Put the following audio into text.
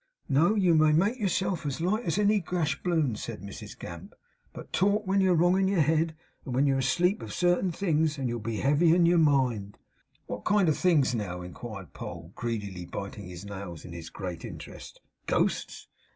'No. You may make yourself as light as any gash balloon,' said Mrs Gamp. 'But talk, when you're wrong in your head and when you're in your sleep, of certain things; and you'll be heavy in your mind.' 'Of what kind of things now?' inquired Poll, greedily biting his nails in his great interest. 'Ghosts?